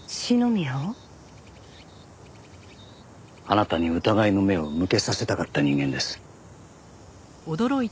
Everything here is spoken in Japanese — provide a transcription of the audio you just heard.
あなたに疑いの目を向けさせたかった人間です。